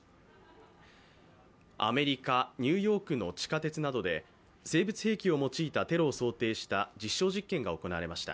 アメリカ・ニューヨークの地下鉄などで生物兵器を用いたテロを想定した実証実験が行われました。